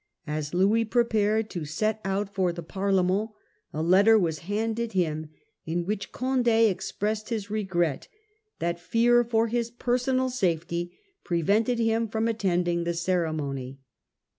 As Louis prepared to set out for the Parlement a letter was handed him, in which Condd expressed his regret that fear for his personal safety prevented him from attending the ceremony.